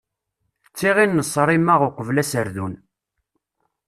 D tiɣin n ṣṣrima, uqbel aserdun.